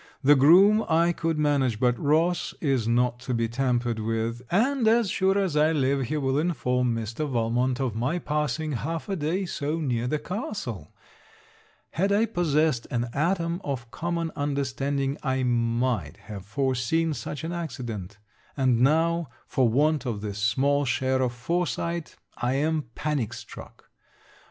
The groom I could manage, but Ross is not to be tampered with; and as sure as I live, he will inform Mr. Valmont of my passing half a day so near the castle. Had I possessed an atom of common understanding, I might have foreseen such an accident; and now, for want of this small share of foresight, I am panic struck.